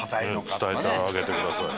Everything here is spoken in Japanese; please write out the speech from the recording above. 伝えてあげてください。